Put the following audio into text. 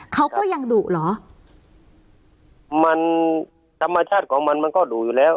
เขาก็ยังดุเหรอมันธรรมชาติของมันมันก็ดุอยู่แล้ว